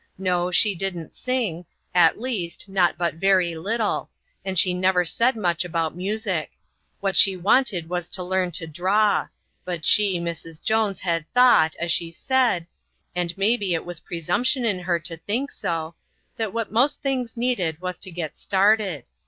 No, she didn't sing : at least, not but very little, and she never said much about music ; what she wanted was to learn to draw, but she, Mrs. Jones, had thought, as she said and maybe it was presumption in her to think so that what most things needed was to get started.